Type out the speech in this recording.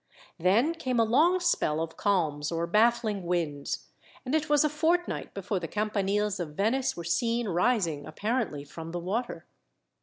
Then came a long spell of calms or baffling winds, and it was a fortnight before the campaniles of Venice were seen rising apparently from the water.